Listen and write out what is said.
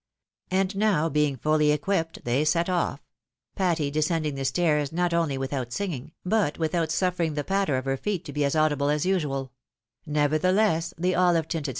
And now, being fully equipped, they set off ; Patty descending the stairs not only without singing, but without suffering the patter of her feet to be as audible as usual ; nevertheless the ohve tinted 214 THE WIDOW MARRIED.